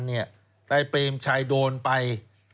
นายเปรมชัยโดนไป